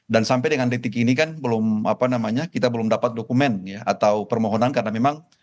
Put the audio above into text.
dan sampai dengan detik ini kan belum apa namanya kita belum dapat dokumen ya atau permohonan karena memang